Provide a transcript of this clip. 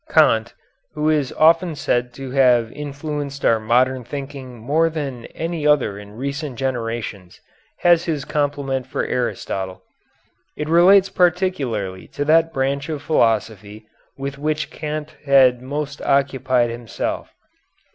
Kant, who is often said to have influenced our modern thinking more than any other in recent generations, has his compliment for Aristotle. It relates particularly to that branch of philosophy with which Kant had most occupied himself.